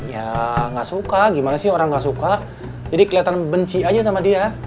ya nggak suka gimana sih orang gak suka jadi kelihatan benci aja sama dia